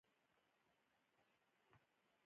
همدارنګه دا اړیکې د توکو په مصرف پورې اړه لري.